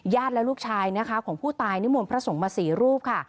ญาติและลูกชายของผู้ตายนิมวลพระส่งมา๔รูปค่ะ